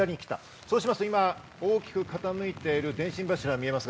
そうすると大きく傾いている電信柱が見えます。